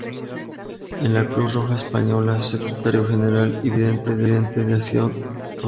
En la Cruz Roja Española fue secretario general y vicepresidente de Acción Social.